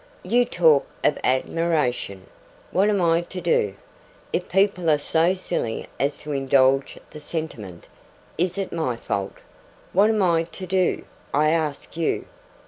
You talk of admiration. What am I to do? If people are so silly as to indulge the sentiment, is it my fault? What am I to do, I ask you?